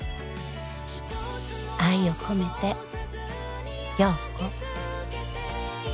「愛をこめて陽子」